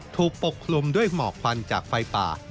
ปกคลุมด้วยหมอกควันจากไฟป่า